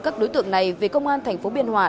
các đối tượng này về công an tp biên hòa